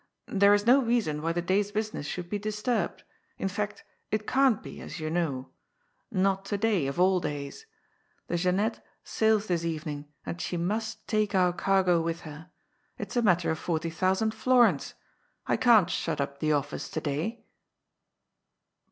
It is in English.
There is no reason why the day's business should be disturbed. In fact, it can't be, as you know. Not to day, of all days. The THE HEAD OF THE FIRM. 107 Jeannette sails tliis evening, and she must take our cargo with her. It is a matter of forty thousand florins. I can't shut up the ofSce to day.''